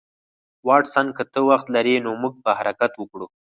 واټسن که ته وخت لرې نو موږ به حرکت وکړو